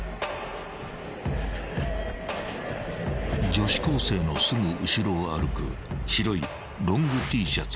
［女子高生のすぐ後ろを歩く白いロングＴシャツの男］